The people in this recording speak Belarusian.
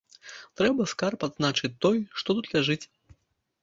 Трэба скарб адзначыць той, што тут ляжыць.